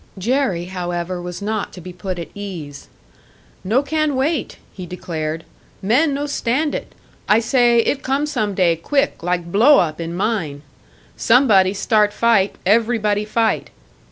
Jerry, however, was not to be put at ease. "No can wait!" he declared. "Men no stand it! I say, 'It come some day quick like blow up in mine! Somebody start fight, everybody fight.'"